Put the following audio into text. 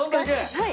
はい。